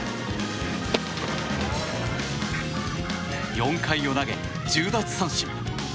４回を投げ１０奪三振。